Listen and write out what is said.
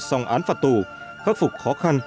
xong án phạt tù khắc phục khó khăn